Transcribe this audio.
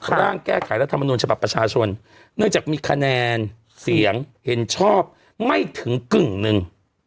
ร่างแก้ไขรัฐมนุนฉบับประชาชนเนื่องจากมีคะแนนเสียงเห็นชอบไม่ถึงกึ่งหนึ่ง